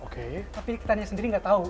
tapi petani sendiri nggak tahu